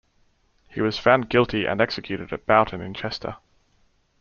He was found guilty and executed at Boughton in Chester.